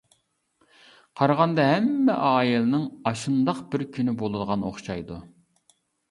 قارىغاندا ھەممە ئائىلىنىڭ «ئاشۇنداق بىر كۈنى» بولىدىغان ئوخشايدۇ.